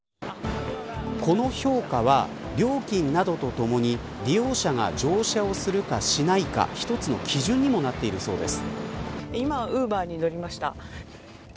この評価は料金などと共に利用者が乗車をするかしないか一つの基準にもなっているそうです。